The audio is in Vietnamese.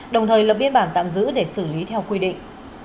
đồng thời lập biên bản tạm giữ để xử lý theo quy định